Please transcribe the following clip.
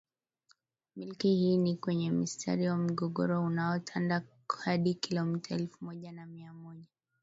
Milki hii ni kwenye mstari wa migogoro unaotanda hadi kilomita elfu moja na mia moja